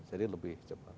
jadi lebih cepat